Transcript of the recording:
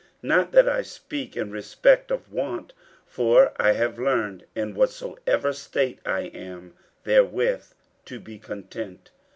50:004:011 Not that I speak in respect of want: for I have learned, in whatsoever state I am, therewith to be content.